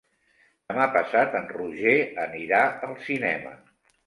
Demà passat en Roger anirà al cinema.